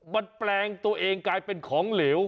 มันแปลงตัวเองกลายเป็นของเหลว